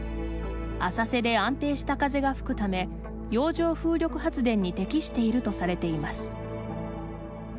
浅瀬で安定した風が吹くため洋上風力発電に適しているとされています。